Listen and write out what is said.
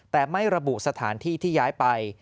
แต่ไม่ระบุสถานที่ที่ย้ายไป